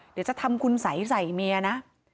เดี๋ยวจะทำคุณสัยใส่เมียนะ